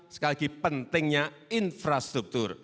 sekali lagi pentingnya infrastruktur